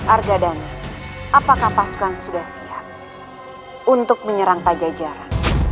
argadana apakah pasukan sudah siap untuk menyerang taja jara